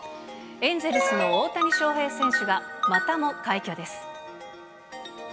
エンゼルスの大谷翔平選手がまたも快挙です。